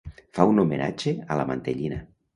Fa un homenatge a la mantellina.